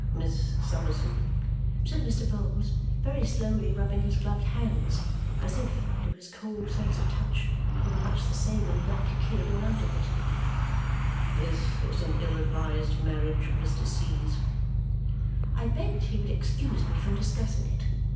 "Miss Summerson," said Mr. Vholes, very slowly rubbing his gloved hands, as if, to his cold sense of touch, they were much the same in black kid or out of it, "this was an ill advised marriage of Mr. C.'s." I begged he would excuse me from discussing it.